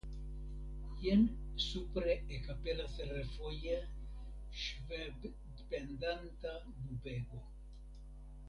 Jen supre ekaperas refoje ŝvebpendanta nubego.